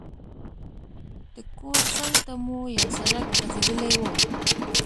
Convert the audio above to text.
د کور څنګ ته مو یو سړک غځېدلی وو.